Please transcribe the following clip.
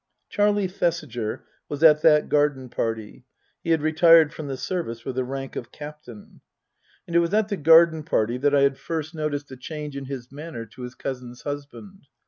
Charlie Thesiger was at that garden party (he had retired from the service with the rank of Captain). And it was at the garden party that I first noticed a Book II : Her Book 221 change in his manner to his cousin's husband.